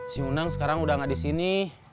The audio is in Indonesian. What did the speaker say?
si undang sekarang udah gak disini